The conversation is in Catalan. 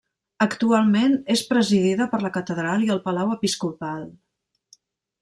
Actualment és presidida per la catedral i el Palau Episcopal.